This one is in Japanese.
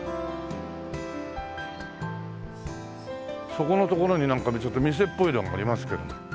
そこの所になんかちょっと店っぽいのがありますけども。